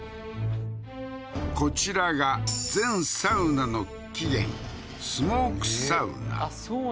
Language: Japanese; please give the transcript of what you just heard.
こちらが全サウナの起源スモークサウナあっそう